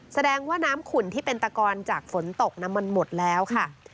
แสดงว่าน้ำขุ่นที่เป็นตะกอนจากฝนตกน้ำมันหมดแล้วค่ะ